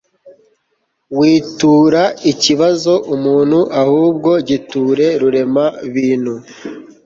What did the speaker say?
witura ikibazo umuntu ahubwo giture rurema bintu